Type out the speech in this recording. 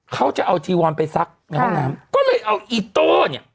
เขาจะเอาจีวอนไปซักในห้องน้ำก็เลยเอาอีโต้เนี่ย